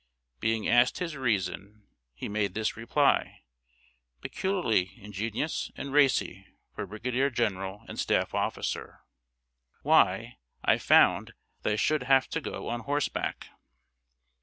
Being asked his reason, he made this reply, peculiarly ingenuous and racy for a brigadier general and staff officer: "Why, I found that I should have to go on horseback!"